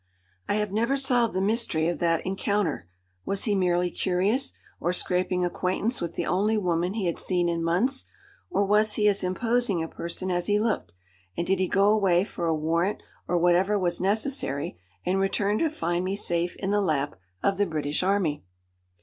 I have never solved the mystery of that encounter. Was he merely curious? Or scraping acquaintance with the only woman he had seen in months? Or was he as imposing a person as he looked, and did he go away for a warrant or whatever was necessary, and return to find me safe in the lap of the British Army?